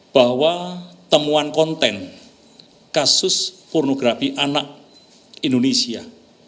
bahwa temuan konten kasus pornografi anak indonesia